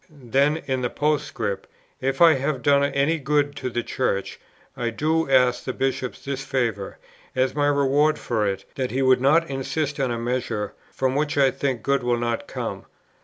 Then in the Postscript, "If I have done any good to the Church, I do ask the Bishop this favour, as my reward for it, that he would not insist on a measure, from which I think good will not come.